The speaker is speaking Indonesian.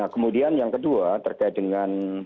kemudian yang kedua terkait dengan